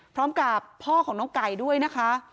พร้อมกับพ่อของน้องไก่ด้วยนะคะ